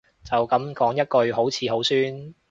就噉講一句好似好酸